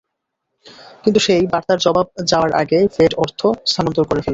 কিন্তু সেই বার্তার জবাব যাওয়ার আগে ফেড অর্থ স্থানান্তর করে ফেলে।